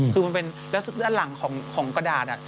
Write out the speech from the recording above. คือมันเป็นแล้วด้านหลังของกระดาษ